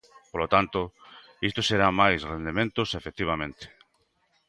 Polo tanto, isto xera máis rendementos, efectivamente.